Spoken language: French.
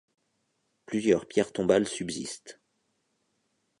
Plusieurs pierres tombales subsistent.